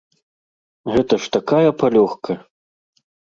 Гэта ж такая палёгка!